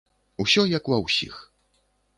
Усё як ва ўсіх.